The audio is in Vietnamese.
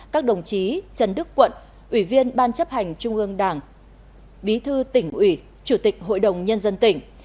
các đồng chí trần đức quận ủy viên ban chấp hành trung ương đảng bí thư tỉnh ủy chủ tịch hội đồng nhân dân tỉnh